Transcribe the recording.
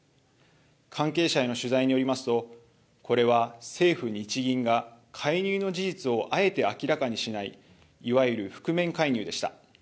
関係者への取材によりますとこれは政府・日銀が介入の事実をあえて明らかにしないいわゆる覆面介入でした。